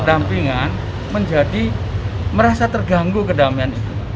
aku ingin melakukan apa apa